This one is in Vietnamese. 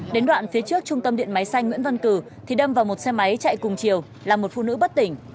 đến đoạn phía trước trung tâm điện máy xanh nguyễn văn cử thì đâm vào một xe máy chạy cùng chiều là một phụ nữ bất tỉnh